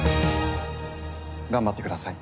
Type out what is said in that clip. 頑張ってください。